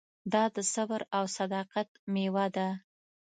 دا د صبر او صداقت مېوه ده.